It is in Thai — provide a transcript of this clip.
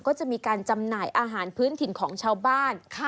ก็จะมีการจำหน่ายอาหารพื้นถิ่นของชาวบ้าน